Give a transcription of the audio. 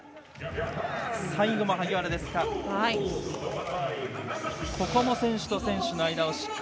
最後も萩原ですか。